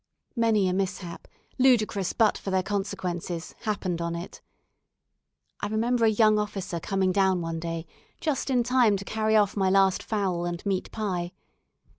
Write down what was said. Many a mishap, ludicrous but for their consequences, happened on it. I remember a young officer coming down one day just in time to carry off my last fowl and meat pie.